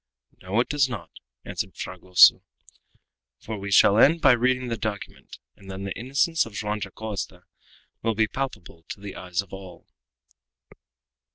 "No, it does not," answered Fragoso; "for we shall end by reading the document, and then the innocence of Joam Dacosta will be palpable to the eyes of all."